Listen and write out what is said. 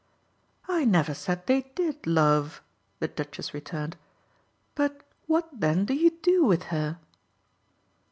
"I never said they did, love," the Duchess returned. "But what then do you do with her?"